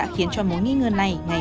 hai triệu rưỡi đấy